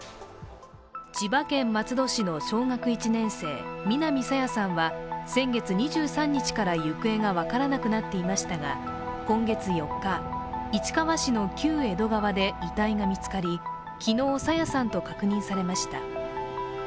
千葉県松戸市の小学１年生南朝芽さんは先月２３日から行方が分からなくなっていましたが今月４日、市川市の旧江戸川で遺体が見つかり、昨日、朝芽さんと確認されました。